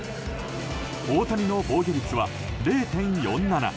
大谷の防御率は０．４７。